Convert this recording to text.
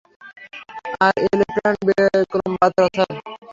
আর এ lieutenant Vikram Batra, sir.